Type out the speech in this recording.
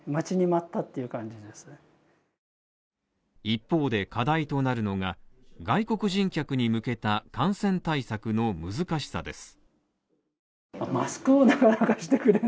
一方で課題となるのが、外国人客に向けた感染対策の難しさです。